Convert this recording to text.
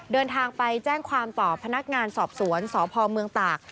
เดินทางไปแจ้งความต่อพนักงานสอบสวนสพเมืองตาก